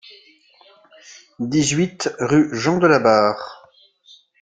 dix-huit rue Jean de la Barre